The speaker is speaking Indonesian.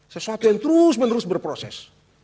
sesuatu yang terus menerus berproses